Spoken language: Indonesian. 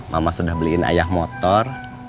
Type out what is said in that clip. mama sudah beliin ayah motor